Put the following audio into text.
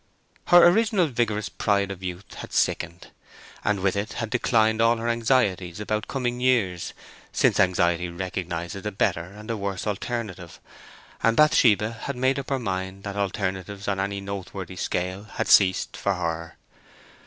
Her original vigorous pride of youth had sickened, and with it had declined all her anxieties about coming years, since anxiety recognizes a better and a worse alternative, and Bathsheba had made up her mind that alternatives on any noteworthy scale had ceased for her.